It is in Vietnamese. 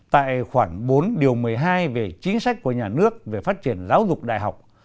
tại khoảng bốn điều một mươi hai về chính sách của nhà nước về phát triển giáo dục đại học